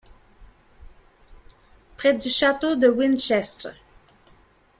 près du château de Winchestre.